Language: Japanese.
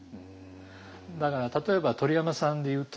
だから例えば鳥山さんで言うと。